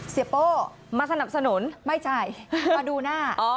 โป้มาสนับสนุนไม่ใช่มาดูหน้า